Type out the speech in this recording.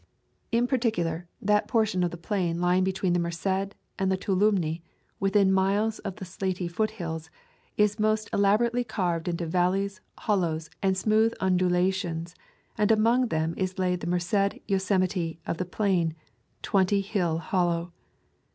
In particular, that portion of the plain lying between the [ 193 ] A Thousand Mile Walk Merced and the Tuolumne, within ten miles of the slaty foothills, is most elaborately carved into valleys, hollows, and smooth undulations, and among them is laid the Merced Yosemite of the plain — Twenty Hill Hollow.